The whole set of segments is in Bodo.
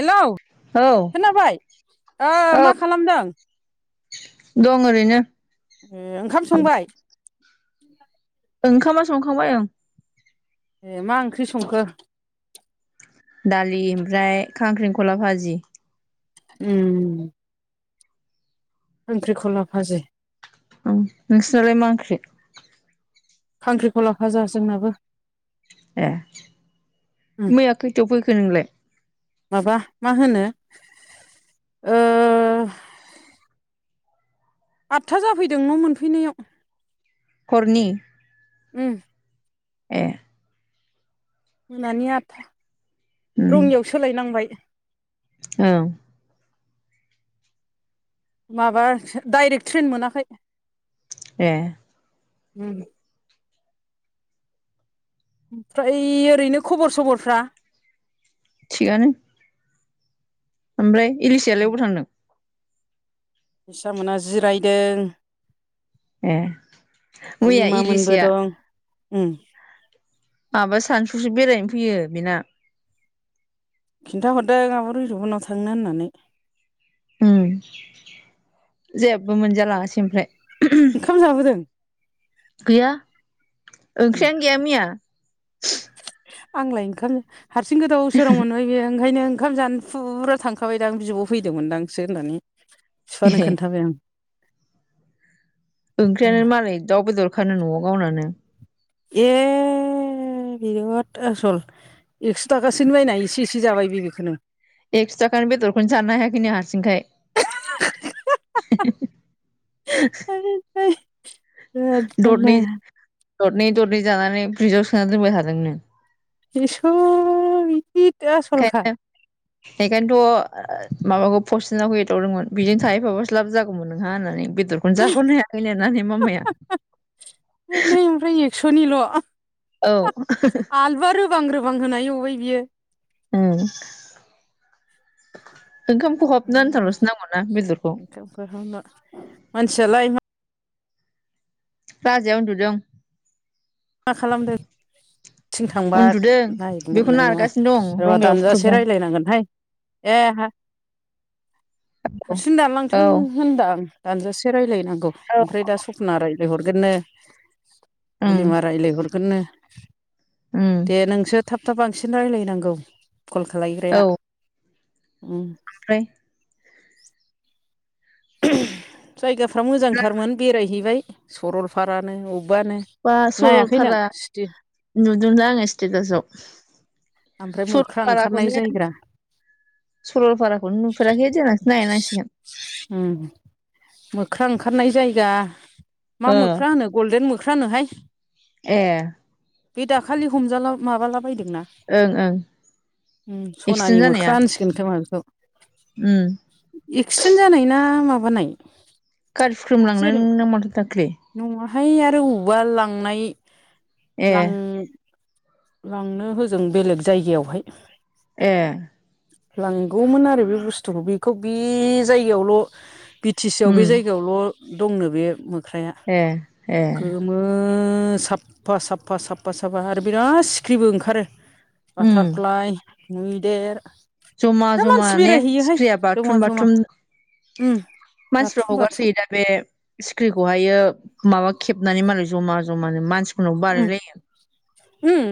हेलौ औ खोनाबाय ओ औ मा खालामदों? दं ओरैनो। ए ओंखाम संबाय? ओंखामा संखांबाय ओं। ए मा ओंख्रि संखो? दालि ओमफ्राय खांख्रिंखला भाजि। उम खांन्ख्रिखला भाजि। ओम नोंसानलाय मा ओंख्रि? खांख्रिखौ लाफाज जोंनाबो। ए उम मैया खैथायाव फैखो नोंलाय? माबा मा होनो ओ आदथा जाफैदों न' मोनफैनायाव। हरनि? उओ। ए- मोनानि आदथा रङियाव सोलायनांबाय औ- माबा डाइरेक्ट ट्रेन मोनाखै ए- उम ओमफ्राय ओरैनो खबर सबरफ्रा थिगआनो। ओमफ्राय इलिसियालाय अबाव थांदों सा मोनहा जिरायदों ए मैया बलिमा मोनबो इलिसिया दं उम- माबा सानसुसो बेरायनो फैयो बेना खिन्थाहरदों आब' रिजबनाव थांनो होननानै उम- जेबो मोनजालाङासै ओमफ्राय ओंखाम जाबोदों गैया उम ओंख्रियानो गैया मैया आंलाय [unintelligible] ओंखामनो हारसिं गोदाव सोराव बे ओंखायनो ओंखाम जानो फुरा थांखाबायदां बिब' फैदोंमोनदांसो होननानै बिफानो ए खोन्थाबाय आं ओंख्रियानो आं मालाय दाउ बेदरखानो न'आव गावनानो ए- ए- बिराद आसल एक्स' थाखासोनि बायना एसे एसे जाबाय बे बेखौनो एक्स' थाखानि बेदरखौनो जानो हायाखैनो हारसिंखाय [unintelligible] ाय दरनै [unintelligible] दरनै दरनै जानानै ब्रिजआव सोना दोनबाय हादोंनो एस'र [unintelligible] ख [unintelligible] बेखायनोथ' माबाखौ पसिनखौ एदावदोंमोन बेजों थाहैफाबासो लाब जागौमोन नोंहा होननानै बेदर खनजखौनो हायाखै लनानै म माया [unintelligible] सनिल' आलुया रोबां रोबां होना एवबाय बियो उम- ओंखाम खहाबनो आथारल'सो नांगौ ना बेदरखौ मानसियालाय [inaudible] राजाया उन्दुदों मा खालामदों थिं थांबा उन्दुदों नायनो बेखौ मोननाय नङा नारगासिनो दं र रंगायाव दानजासे फुथुबदों रायज्लायनांगोनहाय ए- हारसिं औ दालांथों होनदां आं दानजासे रायजलायनांगौ औ ओमफ्राय दा सपना रायज्लाय हरगोननो उम बुलि मार राय्लायहरगोननो उम दे नोंसो थाब थाब बांसिन रायज्लायनांगौ कल खालायग्राया उम- ब्रफ्राय [unintelligible] जायगाफ्रा मोजांथारमोन बेरायहैबाय सरलपारानो अबेबानो बा नायाखै नों सरलपारा सिटि नुदोंला आङो सटकाजआव ओमफ्राय मोख्रा ओंखारनाय सरलपाराखौनो जायगा सरलपाराखौनो नुफेराखै देनांसो नायनांसिगोन मोख्रा ओंखारनाय जायगा मा ओ मोख्रा होनो गल्देन मोख्रा होनोहाय ए बे दाखालि हमजाला माबाला बायदोंना ओं ओं ओम सनानि एक्सिडेन्ट जानाया मोख्रा होनसिगोन खोमा बेखौ। उम एक्सिडेन्ट जानाय ना माबानाय? गारि हुख्रेमलांदों जेरै ना माथो दाखलि। नङाहाय आरो अबबा लांनाय ए लां लांनो होजों बेलेग जायगायावहाय ए लांगौमोन आरो बे बुस्थुखौ बेखौ बे जायगायावल' बि टि सि आव उम बे जायगायावल' दंनो बे मोख्राया ए ए गो मो साफा साफा साफा साफा आरो बिराद सिख्रिबो ओंखारो उम बाटारफ्लाय मैदेर जमा दा जमा मानसि ने बेरायहैयोहाय सिख्रिया जमा बाथुम जमा बाथुम। उम मानसिफ्रा बाथुम बाथुम हगारसोयो दा बे सिख्रिखौहायो माबा खेबनानै मालाय जमा जमानो मानसि उम उम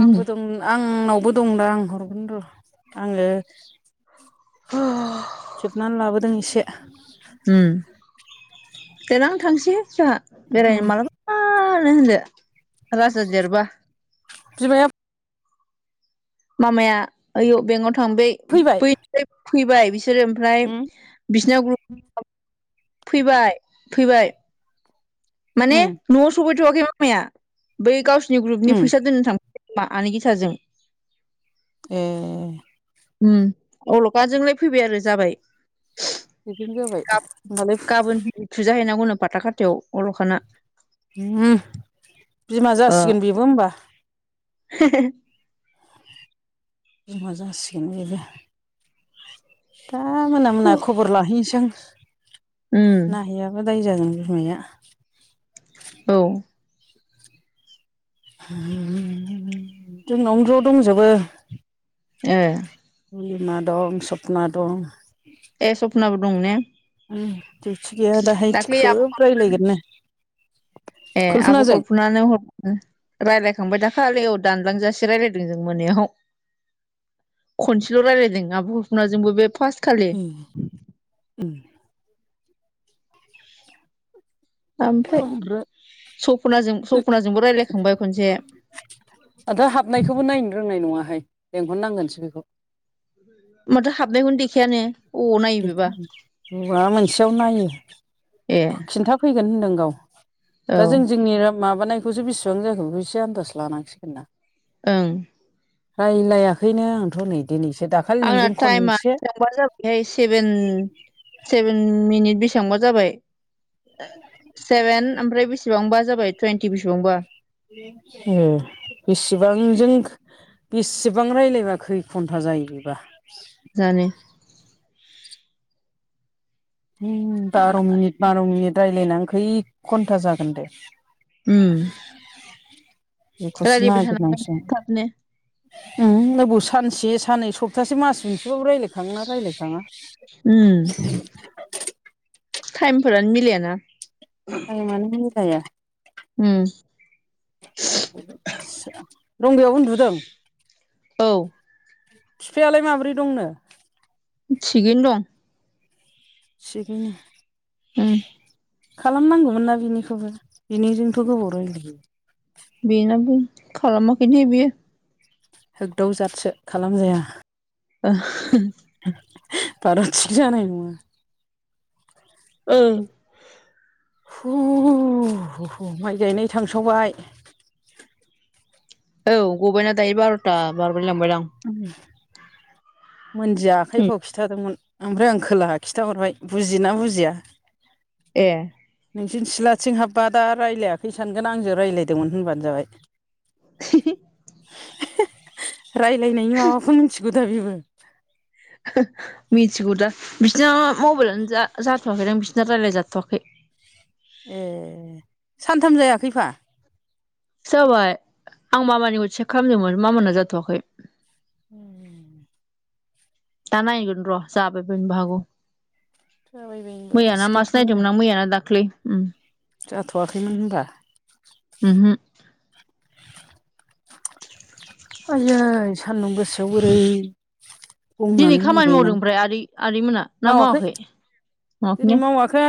उम आंबो दं आंनावबो दं दां हरगोन र' आङो खेबनानै लाबोदों एसे। उम देनां थांसै जाहा बेरायनो उम मालाबा आनो होनदो राजा देरबा। बिमाया मामाया ओइयाव बेंकआव थांबाय फैबाय बैनिफ्राय फैबाय बिसोरो। ओमफ्राय उम बिसिना ग्रुप फैबाय फैबाय। माने उम न'आव सफैथ'वाखै मामाया बै गावसोरनि ग्रुपनि उम फैसा दोननो थां मा आनै गिथाजों ए उम अलखाजोंलाय फैबाय आरो जाबाय। बिदिनो जाबाय होनबालाय उ थुजाहैनांगौनो फाथा खाथायाव अल'खाना। उम बिमा जासिगोन बेबो होमबा। [unintelligible] बिमा जासिगोन बेबो। दा मोना मोना खबर लाहैनोसै आं उम नाहैयाबा दाय जागोन बिमाया। औ जोंनावनो ज' दंजोबो। ए रुलिमा दं सपना दं। ए सपनाबो दं ने? उम दिउथि गैया दाहाय दाख्लै खोब रायलायगोननो। ए आब' कल्पनाजों खलफुनानो हर। रायलायखांबाय दाखालियाव दानलांजासे राय्लायदों जों मोनायाव। खनसेल' रायलायदों आब' हफनाजोंबो बे फासखालि। ए उम ओमफ्राय सपनाजों सपनाजोंबो रायलायखांबाय खनसे। दाथ' हाबनायखौबो नायनो रोंनाय नङाहाय लेंहरनांगोनसो बेखौ। माथो हाबनाय खौनो देखायानो। अनायो बेबा [inaudible] मा मोनसे आव नायो ए खिन्थाफैगोन होनदों गाव। औ दा जों जोंनि माबानायखौसो बेसेबां जाखो एसे आन्दास लानांसिगोन ना। ओं। रायज्लायाखैनो आंथ' नै दिनैसो दा आंना टाइमा थांबा जाबाय। बेहाय सेभेन सेभेन मिनिट बेसेबां जाबाय। सेभेन ओमफ्राय बेसेबांबा जाबाय टुइन्टि बेसेबांबा। ए बेसेबां जों बेसेबां रायज्लायबा खै घन्टा जायो बेबा। जानो। बार' मिनिट बार' मिनिट राय्लायनानै खै घन्टा जागोन दे। उम बिखौसो रायलायबाय नायग्रो थानांगोन नांसिगोन। थाबनो उम अबाव सानसे साननै सप्तासे मास मोनसेबाबो रायज्लाय खाङोना रायलायखांआ। उम टाइमफोरानो मिलायाना। टाइमानो मिलाया। उम। रंगाया उन्दुदों? औ। बिफायालाय माब्रै दंनो? थिगैनो दं। थिगैनो। उम। खालामनांगौमोन ना बिनिखौबो बिनिजोंथ' गोबाव राय्लाजायो। बेनाबो खालामाखैनो बियो। होगदाव जाथसो खालाम जाया। [unintelligible] बारा थिक जानाय नङा। ओं। हु हु हु माइ गायनाय थांसावबाय। औ। गबायना दायो बार'था बार'लाय लांबायदां। मोनदिया आखाइ उम फाव खिन्थादोंमोन। ओमफ्राय आं खोलाहा खिनथाहरबाय बुजिना बुजिया। ए। नोंसिनि सिलाथिं हाबबा दा रायज्लायाखै सानगोन आंजों रायज्लायदोंमोन होनबानो जाबाय। [unintelligible] रायज्लायनायनि माबाखौ मिथिगौ दा बेबो। मिथिगौ दा बिसोरना मबाइलानो जाथ'वाखैदां बिसिरना रायलाय जाथ'वाखै। ए सानथाम जायाखैफा? जाबाय आं मामानिखौ चेक खालामदोंमोन मामाना जाथ'वाखै। [inaudible] दा नायगोन र' जाबाय बायनोबो हागौ। जाबायबायनोबो मैयाना हासिगौथ' मासो आरो नायदोंमोन आं मैयाना दाख्लै। जाथ'वाखैमोन होनबा? उम हो। आयै सान्दुं गोसायाव बोरै दिनै गंनानै माइ खामानि मावदों गायनांगौ ओमफ्राय आदै आदै मोनहा ना मावाखै? दिनै मावाखै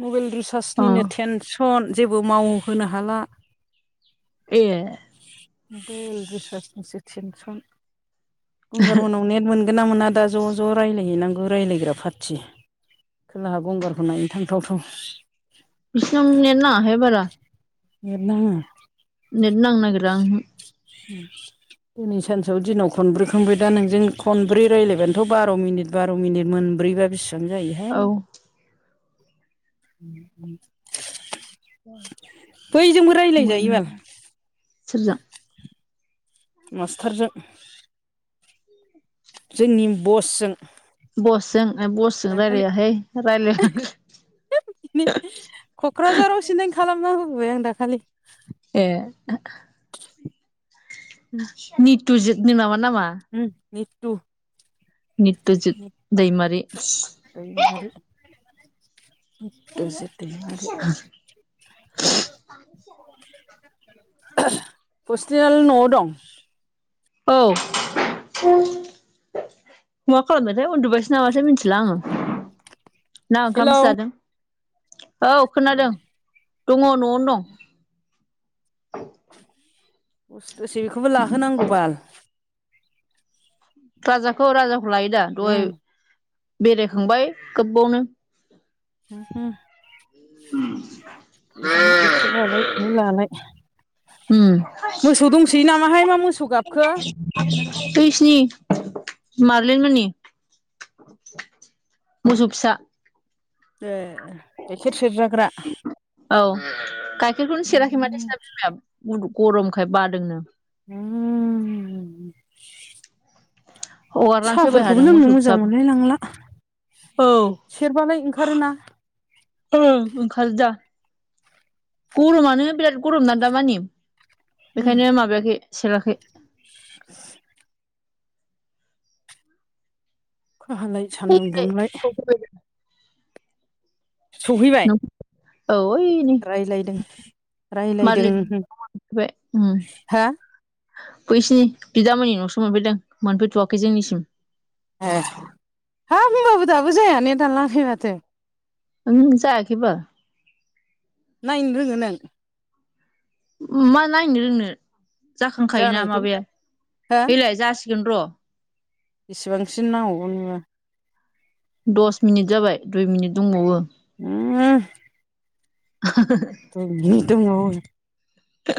मबाइल अ रिसार्जनिनो टेनस' सन जेबो मावहोनो हाला। ए। [unintelligible] गंगार मोननाव नेट मोनगोन ना मोना दा ज' ज' रायज्लायहैनांगौ रायज्लायग्रा पार्टि खोलाहा गंगारखौ नायनो थांथावथाव। बिसिननियानो नाङाहाय बारा नेत नाङा नेट नांनो नागेरा उमहो उम दिनै सानसेआव दिनाव खनब्रै खांबाय दा नोंजों खनब्रै रायलायबानोथ' बार' मिनिट बार' मिनिट मोनब्रैबा बेसिबां जायो। औ [unintelligible] बैजोंबो रायज्लायजायो बाल। सोरजों? मास्टारजों। जोंनि बसजों। बसजों बसजों दाखालि रायलायाहाय रायज्लाय [unintelligible] क'क्राझाराव सिन्दिं खालामना होबोबाय आं दाखालि ए नितुजितनि नो नामा नामा उम ने टु नित्युजित दैमारि [unintelligible] नितुजिद दैमारि हस्टेेल न'आव दं औ [inaudible] मा खालामबायथाय उन्दुबायसो नामासो मिथिला आङो ना ओंखाम हेलौ जादों औ खोनादों दङ न'आवनो दं दस दसे बेखौबो लाहोनांगौ [unintelligible] राजाखौ राजाखौ लायो दा दहाय उम बेरायखांबाय गोबावनो [unintelligible] बिसिनो बेखौ लालाय बि लालाय उम मोसौ दंसै नामाहाय मा मोसौ गाबखो बैसोनि मारलै मोननि मोसौ फिसा ए गाइखेर सेरजाग्रा औ गाइखेरखौनो सेराखै माथो उम सिना बिमाया बुद गरमखाय बादोंनो उम हगारनानै फैबाय साहाफोरखौबो थादों लोंनो मोसौ मोजां फिसाखौ मोनलाय लांला औ सेरबालाय ओंखारोना ओं ओंखारो दा गरमानो बिराद गरम ना दामानि उम बेखायनो माबायाखै सेराखै [inaudible] अखा हालाय सान्दुं दुंलाय सहैयो औ ओय राय्लायदों राय्लायदों ओहो मोनफैबाय उम हा बैसिनि बिदामोननि न'सो मोनफैदों मोनफैथ'वाखै जोंनिसिम ए हाब [unintelligible] दाबो जाया ने दानालाङाखै माथो उम जायाखैबा नायनो रोङो नों ओम मा नायनो रोंनो जाखांखायोना जानायखौ माबाया हो बैलाय जासिगोन र' एसेबांसिन नांगौ नोङो दस मिनिट जाबाय दुइ मिनिट दंबावो उम [unintelligible] [unintelligible]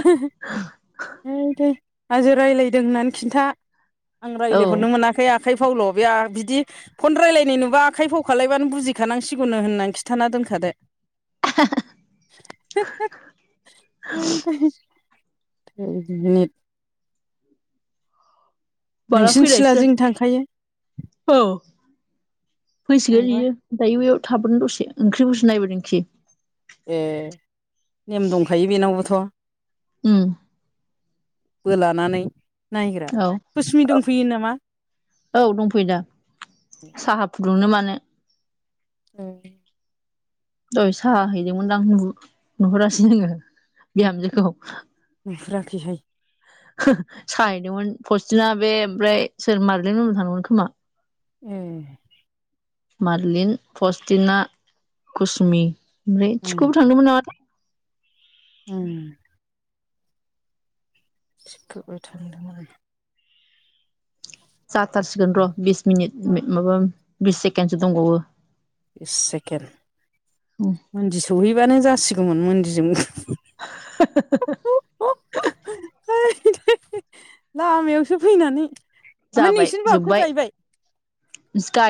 है दे हाजो राय्लायदों होननानै खिन्था आं औ रायज्लायहरनो मोनाखै आखाइ फावल' बे बिदि फन रायज्लायनाय नुबा आखाइ फाव खालायबानो बुजिखानांसिगौनो होननानै खिन्थाना दोनखादो [unintelligible] नि [unintelligible] माला नोंसिनि फैनायसो सिलाजों थांखायो ज औ फैसिगोन आंबा बियो दायो वे वेयाव थाबोनो दसे ओंख्रि फोरसो नायबोदोंखि ए नेम दंखायो बेनावबोथ' उम बो लानानै नायग्रा औ खसमि दंफैयो नामा? औ दंफैदा साहा फुदुंनो मानो ओं दय साहा हैदोंमोनदां नुहरासै जोङो बिहामजोखौ नुहुराखैहाय साहैदोंमोन पस्टिना बे ओमफ्राय सोर मारलें लनो थांदोंमोन खोमा ए मारलिन पस्तना कुसुमि ओमफ्राय ओम थिखखौबो थांदोंमोन नामा दा ओम थिबखौबो थांदोंमोन जाथारसिगोन र' बिस मिनिट माबा बिस सेकेणडसो दंबावो बिस सेकेन्ड मन्दि सौहैबानो जासिगौमोन मन्दिजों [unintelligible] लामायावसो फैनानै ओमफ्राय नोंसिनि बागखौ गायबाय स्काइड